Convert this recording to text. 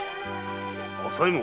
朝右衛門。